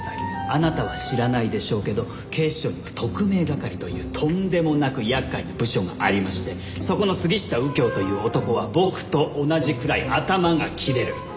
あなたは知らないでしょうけど警視庁には特命係というとんでもなく厄介な部署がありましてそこの杉下右京という男は僕と同じくらい頭が切れる。